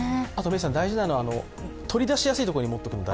大事なのは、取り出しやすいところに持っておくのが。